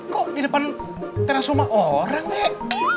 kok di depan teras rumah orang deh